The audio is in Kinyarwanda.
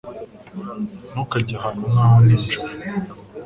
Ntukajye ahantu nkaho nijoro